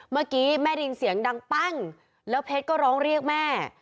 เมื่อกี้แม่ได้ยินเสียงดังปั้งแล้วเพชรก็ร้องเรียกแม่